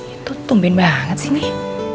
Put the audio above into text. itu tumbin banget sih nih